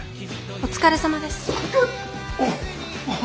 お疲れさまです。